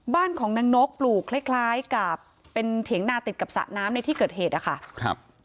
บ้านของนางนกปลูกคล้ายกับเป็นเถียงนาติดกับสะน้ำในที่เกิดเหตุค่ะ